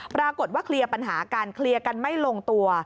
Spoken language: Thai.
ปรากฏว่าเคลียร์ปัญหากันเคลียร์กันไม่ลงตัว